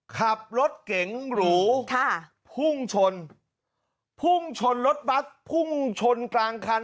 ขับรถเก๋งหรูค่ะพุ่งชนพุ่งชนรถบัสพุ่งชนกลางคัน